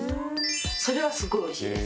それはすごい美味しいです。